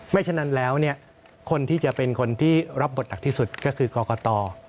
ฉะนั้นแล้วคนที่จะเป็นคนที่รับบทหนักที่สุดก็คือกรกต